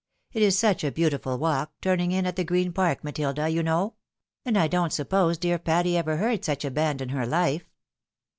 It is , such a beautiful walk, turning in at the Green park, Matilda, you know ; and I don't suppose dear Patty ever heard such a band in her life."